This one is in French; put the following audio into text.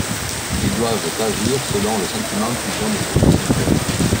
Ils doivent agir selon le sentiment qu'ils ont de ce qui s'impose.